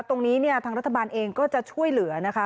ตรงนี้เนี่ยทางรัฐบาลเองก็จะช่วยเหลือนะคะ